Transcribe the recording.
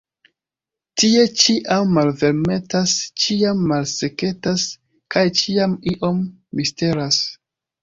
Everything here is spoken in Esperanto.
Tie ĉiam malvarmetas, ĉiam malseketas, kaj ĉiam iom misteras.